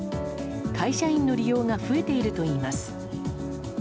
会社員の利用が増えているといいます。